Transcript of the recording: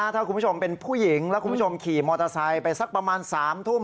ถ้าคุณผู้ชมเป็นผู้หญิงแล้วคุณผู้ชมขี่มอเตอร์ไซค์ไปสักประมาณ๓ทุ่ม